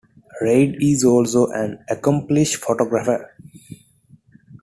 Reid is also an accomplished photographer.